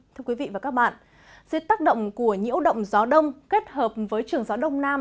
thưa quý vị và các bạn dưới tác động của nhiễu động gió đông kết hợp với trường gió đông nam